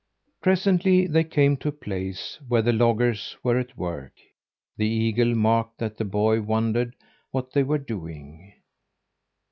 Presently they came to a place where the loggers were at work. The eagle marked that the boy wondered what they were doing.